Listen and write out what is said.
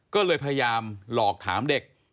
ก็เลยพยายามหลอกถามเด็ก